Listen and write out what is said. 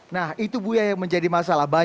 nah itu bu ya yang menjadi masalah